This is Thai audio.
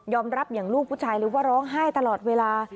รับอย่างลูกผู้ชายเลยว่าร้องไห้ตลอดเวลา